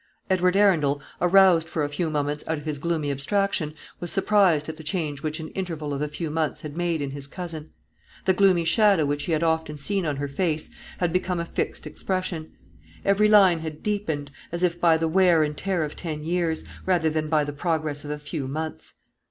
Edward Arundel, aroused for a few moments out of his gloomy abstraction, was surprised at the change which an interval of a few months had made in his cousin. The gloomy shadow which he had often seen on her face had become a fixed expression; every line had deepened, as if by the wear and tear of ten years, rather than by the progress of a few months.